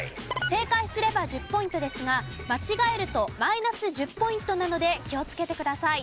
正解すれば１０ポイントですが間違えるとマイナス１０ポイントなので気をつけてください。